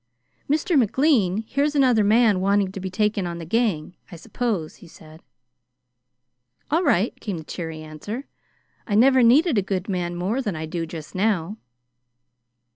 "Mr. McLean, here's another man wanting to be taken on the gang, I suppose," he said. "All right," came the cheery answer. "I never needed a good man more than I do just now."